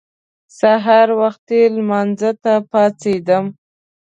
سهار وخته لمانځه ته پاڅېدم.